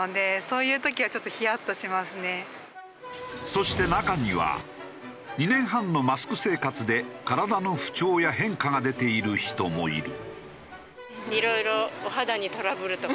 そして中には２年半のマスク生活で体の不調や変化が出ている人もいる。